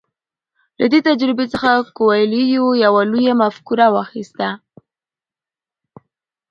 له دې تجربې څخه کویلیو یوه لویه مفکوره واخیسته.